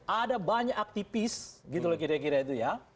ada banyak aktivis gitu loh kira kira itu ya